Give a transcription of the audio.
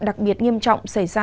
đặc biệt nghiêm trọng xảy ra